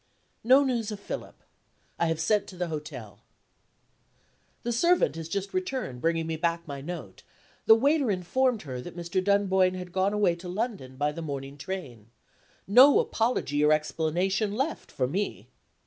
No news of Philip. I have sent to the hotel. The servant has just returned, bringing me back my note. The waiter informed her that Mr. Dunboyne had gone away to London by the morning train. No apology or explanation left for me.